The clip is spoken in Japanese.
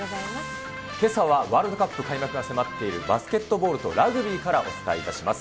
けさはワールドカップ開幕が迫っているバスケットボールとラグビーからお伝えいたします。